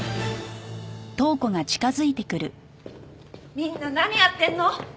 みんな何やってるの！